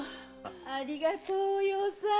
ありがとうお葉さん！